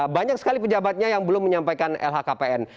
banyak sekali pejabatnya yang belum menyampaikan lhkpn